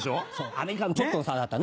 アメリカとちょっとの差だった。